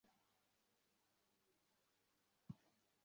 Petrol অপচয় করা বন্ধ করো?